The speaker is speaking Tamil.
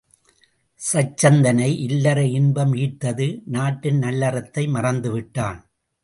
சச்சந்தனை இல்லற இன்பம் ஈர்த்தது நாட்டின் நல்லறத்தை மறந்து விட்டான்.